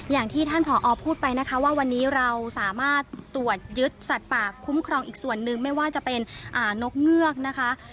อย่างที่ท่านผอพูดไปนะคะว่าวันนี้เราสามารถตรวจยึดสัตว์ป่าคุ้มครองอีกส่วนหนึ่งไม่ว่าจะเป็นนกเงือกนะคะ